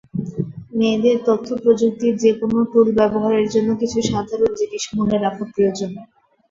মেয়েদের তথ্যপ্রযুক্তির যেকোনো টুল ব্যবহারের জন্য কিছু সাধারণ জিনিস মনে রাখা প্রয়োজন।